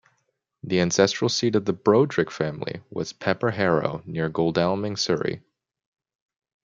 The ancestral seat of the Brodrick family was Peper Harrow near Godalming, Surrey.